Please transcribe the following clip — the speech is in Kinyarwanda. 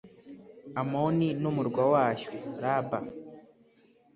Amoni n’umurwa wayo, Raba